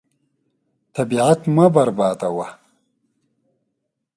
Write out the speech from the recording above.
طبیعت مه بربادوه.